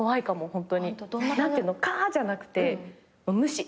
何ていうのカーッじゃなくて無視。